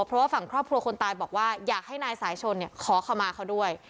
เพราะว่าฝั่งครอบครัวคนตายบอกว่าอยากให้นายสายชนขอขมาเขาด้วย